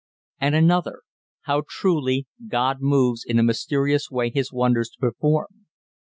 And another, "How truly 'God moves in a mysterious way His wonders to perform.'